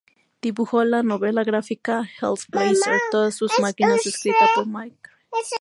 Dibujó la novela gráfica "Hellblazer: Todas sus máquinas", escrita por Mike Carey.